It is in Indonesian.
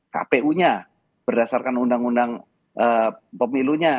kpu nya berdasarkan undang undang pemilunya